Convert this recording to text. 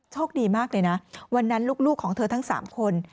โชคดีมากเลยนะวันนั้นลูกของเธอทั้ง๓คน